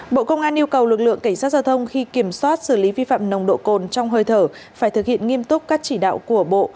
bộ công an yêu cầu lực lượng cảnh sát giao thông khi kiểm soát xử lý vi phạm nồng độ cồn trong hơi thở phải thực hiện nghiêm túc các chỉ đạo của bộ